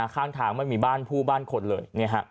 ข้างทางไม่มีบ้านผู้บ้านคนเลย